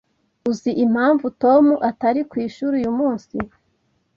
Uzi impamvu Tom atari ku ishuri uyu munsi?